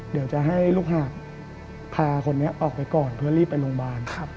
เดี๋ยวจะให้ลูกหาดพาคนนี้ออกไปก่อนเพื่อรีบไปโรงพยาบาล